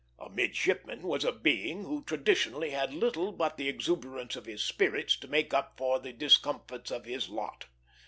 A midshipman was a being who traditionally had little but the exuberance of his spirits to make up for the discomforts of his lot.